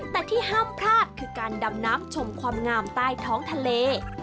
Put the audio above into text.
แต่ที่ห้ามพลาดคือการดำน้ำชมความงามใต้ท้องทะเล